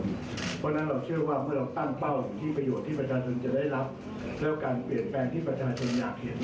เพราะฉะนั้นเราเชื่อว่าเมื่อเราตั้งเป้าที่ประโยชน์ที่ประชาชนจะได้รับแล้วการเปลี่ยนแปลงที่ประชาชนอยากเห็น